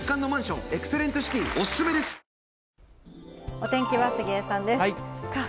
お天気は杉江さんです。